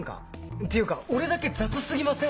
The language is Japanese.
っていうか俺だけ雑過ぎません？